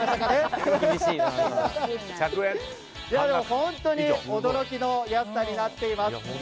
本当に驚きの安さになっています。